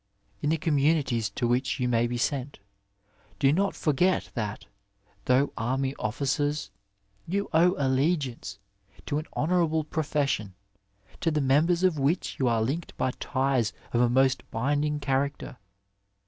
In the communities to which you may be sent do not forget that, though army officers, you owe allegiance to an honourable pro fession, to the members of which you are linked by ties of a most binding character.